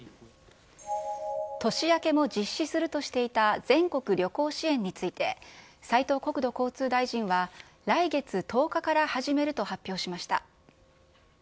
年明けも実施するとしていた全国旅行支援について、斉藤国土交通大臣は、来月１０日から始めると発表しました。